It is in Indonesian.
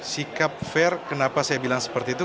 sikap fair kenapa saya bilang seperti itu